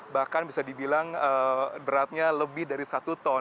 bahkan bisa dibilang beratnya lebih dari satu ton